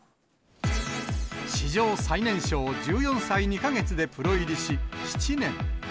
史上最年少、１４歳２か月でプロ入りし、７年。